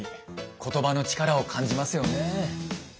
ことばの力を感じますよねえ。